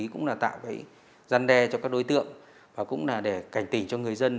cũng là tạo cái răn đe cho các đối tượng và cũng là để cảnh tình cho người dân